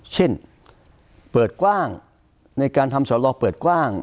เช่นเปิดกว้างในการทำสอรอเปิดกว้าง